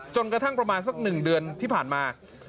กระทั่งประมาณสัก๑เดือนที่ผ่านมา